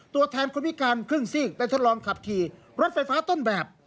ตัวแทนคนพิการครึ่งซีกได้ทดลองขับขี่รถไฟฟ้าต้นแบบ